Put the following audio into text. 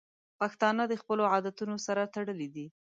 پښتانه د خپلو عادتونو سره تړلي دي.